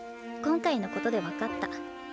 今回のことで分かった。